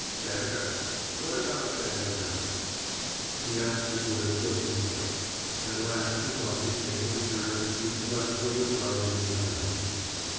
"Dagger! What about dagger now?" He asked it with a guilty start. At last the talk was taking a turn which left Hylda Prout in command.